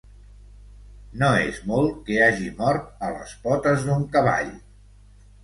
...no és molt que hagi mort a les potes d'un cavall.